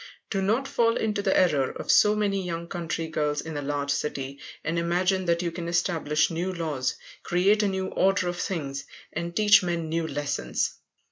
Do not fall into the error of so many young country girls in a large city, and imagine you can establish new laws, create a new order of things, and teach men new lessons.